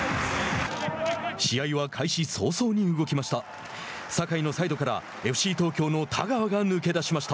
試合は開始早々に動きました。